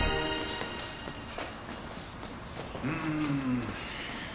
うん。